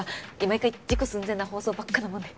毎回事故寸前な放送ばっかなもんで。